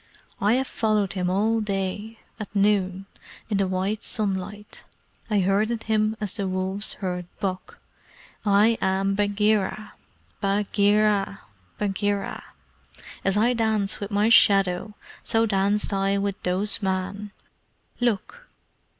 I have followed him all day at noon in the white sunlight. I herded him as the wolves herd buck. I am Bagheera! Bagheera! Bagheera! As I dance with my shadow, so danced I with those men. Look!"